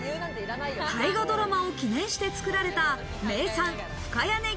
大河ドラマを記念して作られた、名産・深谷ねぎ